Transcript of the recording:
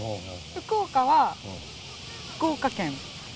福岡は福岡県。